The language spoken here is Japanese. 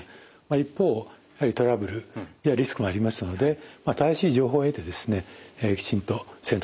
一方やはりトラブルやリスクがありますので正しい情報を得てきちんと選択していただきたいと思います。